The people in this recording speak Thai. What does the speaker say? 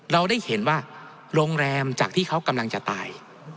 เราได้เห็นว่าโรงแรมจากที่เขากำลังจะตาย